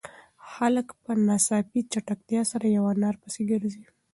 هلک په ناڅاپي چټکتیا سره په انا پسې گرځي.